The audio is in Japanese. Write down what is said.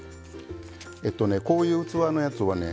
えっとねこういう器のやつはね